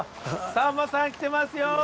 さんまさん来てますよ。